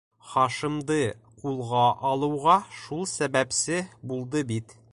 Хашимды ҡулға алыуға шул сәбәпсе булды бит.